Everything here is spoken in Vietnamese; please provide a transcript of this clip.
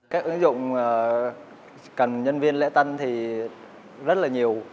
các ứng dụng cần nhân viên lễ tân thì rất là nhiều